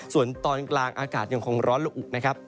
ส่วนตอนกลางอากาศยังคงร้อนละอุนะครับ